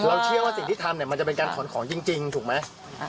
เชื่อว่าสิ่งที่ทำเนี่ยมันจะเป็นการขนของจริงถูกไหม